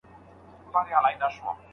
ایا په افغانستان کي د کرنې مسلکي لیسې سته؟